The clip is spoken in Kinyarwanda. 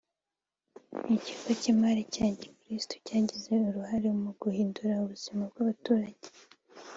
Ikigo cy’imali cya Gikristo cyagize uruhare mu guhindura ubuzima bw’abaturage